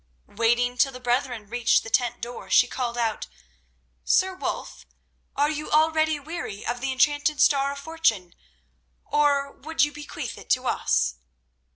Waiting till the brethren reached the tent door, she called out: "Sir Wulf, are you already weary of the enchanted Star of Fortune, or would you bequeath it to us?"